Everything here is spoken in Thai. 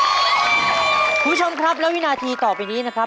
คุณผู้ชมครับแล้ววินาทีต่อไปนี้นะครับ